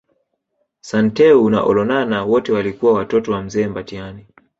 Santeu na Olonana wote walikuwa Watoto wa mzee Mbatiany